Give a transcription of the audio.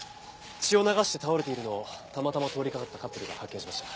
血を流して倒れているのをたまたま通りかかったカップルが発見しました。